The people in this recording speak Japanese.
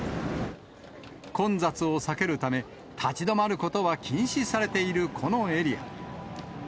混雑を避けるため、立ち止まることは禁止されている、このエリア。